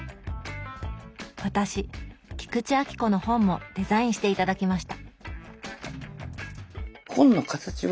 私菊池亜希子の本もデザインして頂きました！